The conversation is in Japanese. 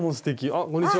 あこんにちは。